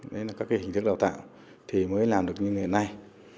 đấy là các hình thức đào tạo thì mới làm được như hiện nay